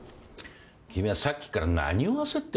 君はさっきから何を焦ってるんだ？